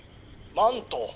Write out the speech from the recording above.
「マント。